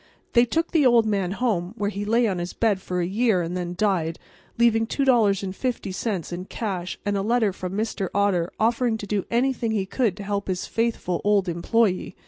They took the old man home, where he lay on his bed for a year and then died, leaving $2.50 in cash and a letter from Mr. Otter offering to do anything he could to help his faithful old employee.